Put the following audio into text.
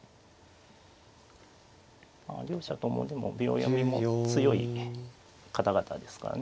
両者ともでも秒読みも強い方々ですからね。